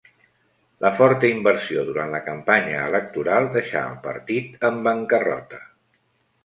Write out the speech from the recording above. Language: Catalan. La forta inversió durant la campanya electoral deixà el partit en bancarrota.